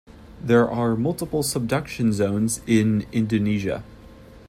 There are multiple subduction zones in Indonesia.